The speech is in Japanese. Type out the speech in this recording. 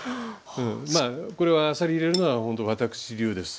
これはあさり入れるのはほんと私流です。